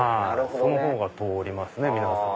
そのほうが通りますね皆さん。